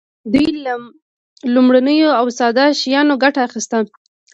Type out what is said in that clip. دوی له لومړنیو او ساده شیانو ګټه اخیسته.